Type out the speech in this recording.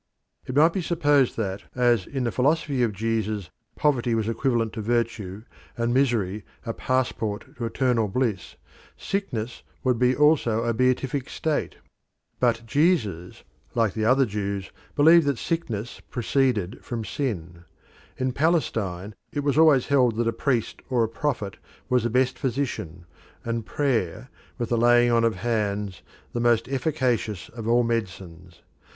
It might be supposed that as in the philosophy of Jesus poverty was equivalent to virtue and misery a passport to eternal bliss, sickness would be also a beatific state. But Jesus, like the other Jews, believed that disease proceeded from sin. In Palestine it was always held that a priest or a prophet was the best physician, and prayer, with the laying on of hands, the most efficacious of all medicines.